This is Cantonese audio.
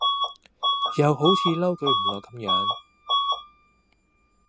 又好似嬲佢唔落咁樣